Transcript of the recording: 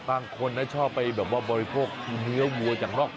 บางคนชอบไปบริโภคที่เนื้อวัวจากนอก